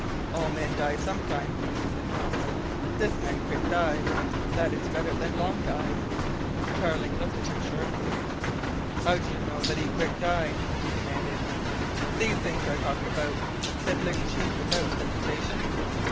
"All men die some time," he said calmly. "This man quick die. That is better than long die." Tarling looked at him sharply. "How do you know that he quick die?" he demanded. "These things are talked about," said Ling Chu without hesitation.